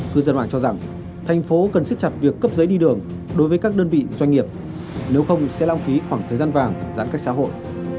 cư dân mạng cho rằng thành phố cần siết chặt việc cấp giấy đi đường đối với các đơn vị doanh nghiệp nếu không sẽ lãng phí khoảng thời gian vàng giãn cách xã hội